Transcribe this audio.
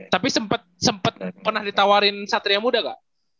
tapi sempet pernah ditawarin patriamuda gak